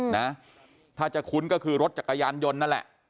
นะถ้าจะคุ้นก็คือรถจักรยานยนต์นั่นแหละ